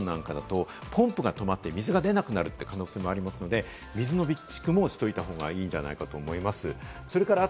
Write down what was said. それからここにはないんですけれども、マンションなんかだと、ポンプが止まって、水が出なくなる可能性がありますので、水の備蓄もしておいた方がいいんじゃないかと思います。